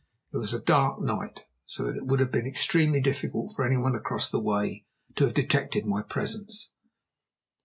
It was a dark night, so that it would have been extremely difficult for any one across the way to have detected my presence.